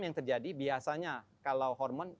yang terjadi biasanya kalau hormon